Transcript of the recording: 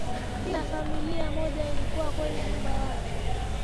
Kila familia moja ilikuwa kwenye nyumba yake